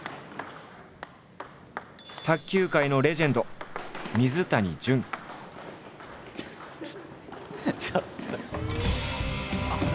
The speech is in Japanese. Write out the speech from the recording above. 卓球界のレジェンドちょっと！